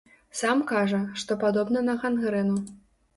Сам кажа, што падобна на гангрэну.